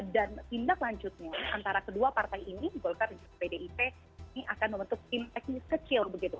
dan tindak lanjutnya antara kedua partai ini golkar dan pdip ini akan membentuk tim teknis kecil begitu